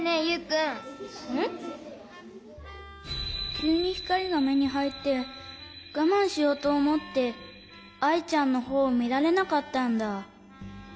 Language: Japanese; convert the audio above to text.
きゅうにひかりがめにはいってがまんしようとおもってアイちゃんのほうをみられなかったんだ。